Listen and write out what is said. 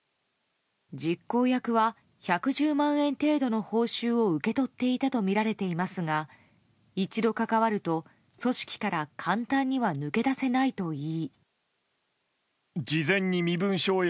実行役は１１０万円程度の報酬を受け取っていたとみられていますが一度関わると組織から簡単には抜け出せないといい。